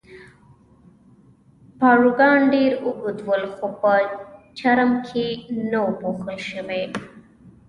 پاروګان ډېر اوږد ول، خو په چرم کې نه وو پوښل شوي.